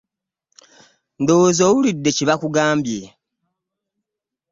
Ndowooza owulidde kye bakugambye.